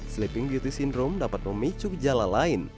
sleeping beauty syndrome dapat memicu gejala lain